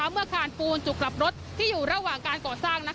เมื่อคานปูนจุดกลับรถที่อยู่ระหว่างการก่อสร้าง